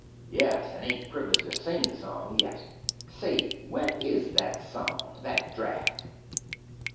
Yes, and ain't privileged to sing the song yet. Say, where is that song—that draft?"